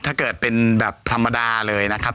ถ้าเกิดเป็นแบบธรรมดาเลยนะครับ